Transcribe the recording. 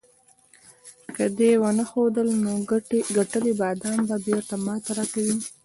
که دې ونه ښودل، نو ګټلي بادام به بیرته ماته راکوې.